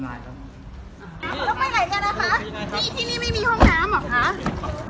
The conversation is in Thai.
แล้วไปไหนกันนะคะนี่ที่นี่ไม่มีห้องน้ำเหรอคะ